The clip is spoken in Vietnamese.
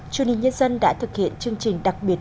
chương trình nhân dân đã thực hiện chương trình đặc biệt